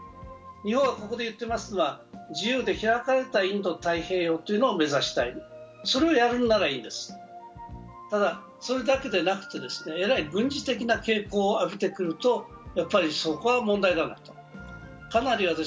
日本はここで言ってますのは自由で開かれたインド太平洋というのを目指したい、それをやるんならいいです、ただ、それだけでなくて、えらい軍事的な傾向を帯びてくるとそこは問題だろうと。